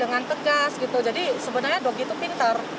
dengan tegas gitu jadi sebenarnya dok itu pinter